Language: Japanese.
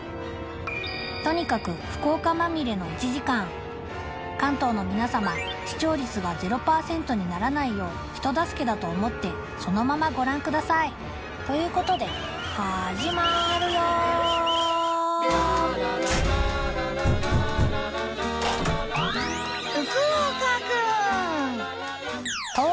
とにかく福岡まみれの１時間関東の皆様視聴率がゼロ％にならないよう人助けだと思ってそのままご覧くださいということではじまるよ「福岡くん。